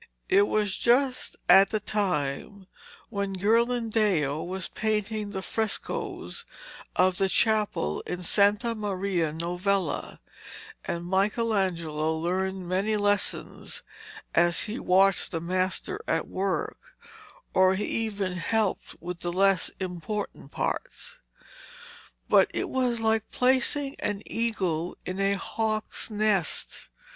It was just at the time when Ghirlandaio was painting the frescoes of the chapel in Santa Maria Novella, and Michelangelo learned many lessons as he watched the master at work, or even helped with the less important parts. But it was like placing an eagle in a hawk's nest.